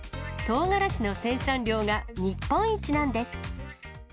とうがらしの生産量が日本一なんです。